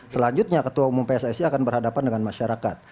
selanjutnya ketua umum pssi akan berhadapan dengan masyarakat